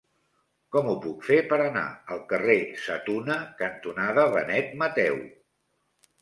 Com ho puc fer per anar al carrer Sa Tuna cantonada Benet Mateu?